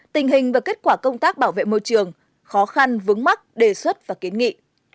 tình hình và kết quả công tác bảo vệ môi trường khó khăn vướng mắt đề xuất và kiến nghị